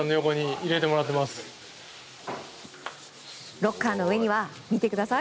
ロッカーの上には見てください！